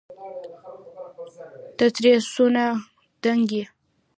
ته ترې څونه دنګ يې